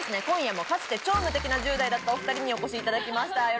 今夜もかつて超無敵な１０代だったお２人にお越しいただきました。